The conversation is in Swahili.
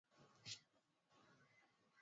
Nakusongea we wanisongea